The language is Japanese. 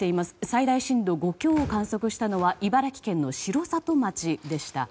最大震度５強を観測したのは茨城県の城里町でした。